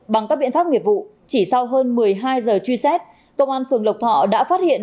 bằng các biện pháp nghiệp vụ chỉ sau hơn một mươi hai giờ truy xét công an phường lộc thọ đã phát hiện